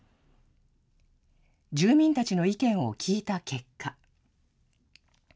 住民たちの意見を聞いた結果。